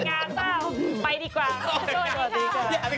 โชคดีค่ะแยะดีค่ะแยะเอาใช่ไหม